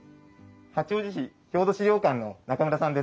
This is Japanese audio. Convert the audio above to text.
八王子市郷土資料館の中村さんです。